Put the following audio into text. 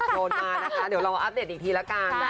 โดนมานะคะเดี๋ยวเราอัปเดตอีกทีละกัน